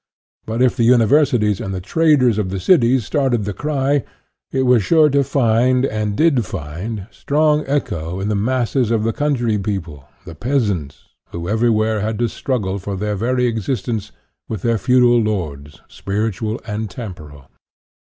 But if the universities and the traders of the cities started the cry, it was sure to find, and did find, i strong echo in the masses of the country peo pie, the peasants, who everywhere had to strug gle for their very existence with their feudal lords, spiritual and temporal.